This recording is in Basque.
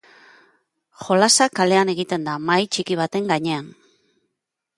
Jolasa kalean egiten da, mahai txiki baten gainean.